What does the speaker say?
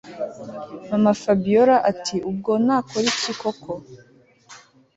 Mamafabiora atiubwo nakora iki koko